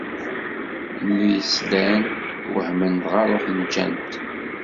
Mi slan, wehmen, dɣa ṛuḥen ǧǧan-t.